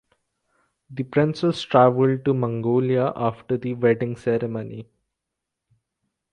The princess travelled to Mongolia after the wedding ceremony.